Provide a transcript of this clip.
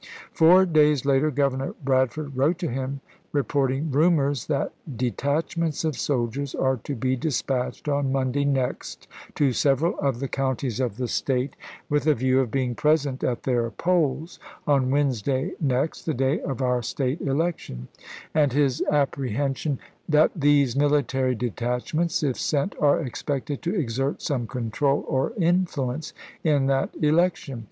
Four days later Governor Bradford wrote to him report ing rumors that " detachments of soldiers are to be dispatched on Monday next to several of the counties of the State with a view of being present at their polls, on Wednesday next, the day of our State election "; and his apprehension " that these military detachments, if sent, are expected to exert some control or influence in that election.